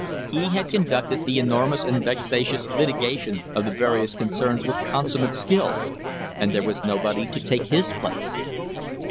He had conducted the enormous and vexa tious litigation of the various concerns with consummate skill, and there was nobody to take his place.